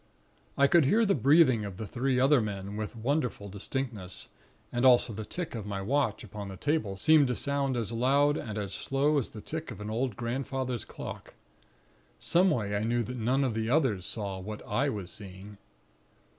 "I could hear the breathing of the three other men, with a wonderful distinctness; and also the tick of my watch upon the table seemed to sound as loud and as slow as the tick of an old grandfather's clock. Someway I knew that none of the others saw what I was seeing.